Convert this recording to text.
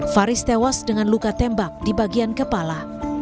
faris tewas dengan luka tembak di bagian kepala